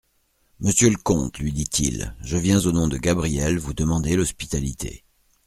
Monsieur le comte, lui dit-il, je viens au nom de Gabrielle vous demander l'hospitalité.